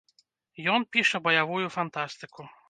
Ён піша баявую фантастыку.